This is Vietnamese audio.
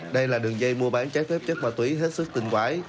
đây là đường dây mua bán trái phép chất ma túy hết sức tinh quái